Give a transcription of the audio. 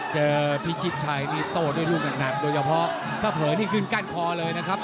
เจอพี่ชิดชายนี้โตด้วยรูปหนักโดยเฉพาะเข้าเผินให้ขึ้นกั้นคอเลยนะครับ